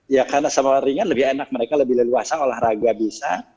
ya karena sama orang ringan lebih enak mereka lebih leluasa olahraga bisa